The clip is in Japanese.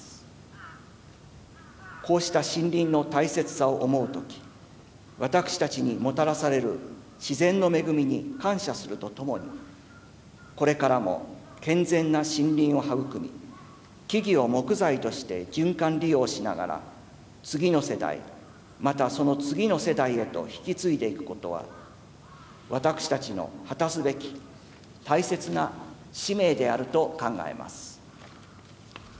こうした森林の大切さを思うとき私たちにもたらされる自然の恵みに感謝するとともにこれからも健全な森林を育み木々を木材として循環利用しながら次の世代またその次の世代へと引き継いでいくことは私たちの果たすべき大切な使命であると考えます。